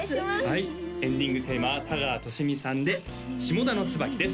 はいエンディングテーマは田川寿美さんで「下田の椿」です